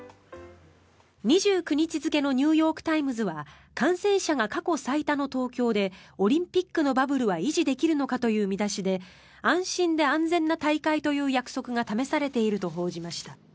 ２９日付のニューヨーク・タイムズは感染者が過去最多の東京でオリンピックのバブルは維持できるのかという見出しで安心で安全な大会という約束が試されていると報じました。